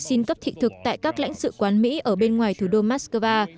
nga sẽ xin cấp thị thực tại các lãnh sự quán mỹ ở bên ngoài thủ đô mắc cơ va